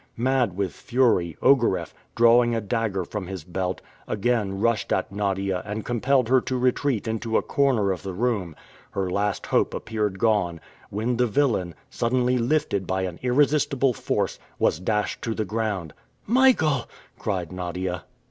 Mad with fury, Ogareff, drawing a dagger from his belt, again rushed at Nadia and compelled her to retreat into a corner of the room. Her last hope appeared gone, when the villain, suddenly lifted by an irresistible force, was dashed to the ground. "Michael!" cried Nadia.